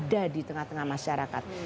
kita berada di tengah tengah masyarakat